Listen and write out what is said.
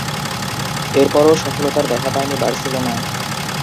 এরপরও সফলতার দেখা পায়নি বার্সেলোনা।